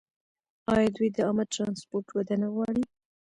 آیا دوی د عامه ټرانسپورټ وده نه غواړي؟